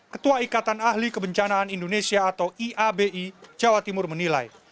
ketua ikatan ahli kebencanaan indonesia atau iabi jawa timur menilai